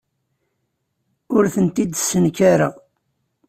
Ur tent-id-ssenkareɣ.